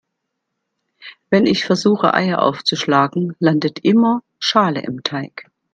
Wenn ich versuche Eier aufzuschlagen, landet immer Schale im Teig.